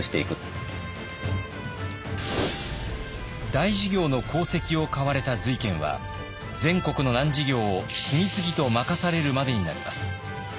大事業の功績を買われた瑞賢は全国の難事業を次々と任されるまでになります。